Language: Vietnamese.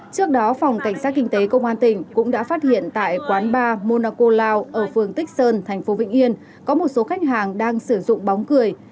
trước đó phòng cảnh sát kinh tế công an tỉnh cũng đã phát hiện tại quán ba monaco lao ở phường tích sơn tp vĩnh yên có một số khách hàng đang sử dụng bóng cười